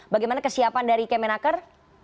bagaimana kesiapan dari kemenaker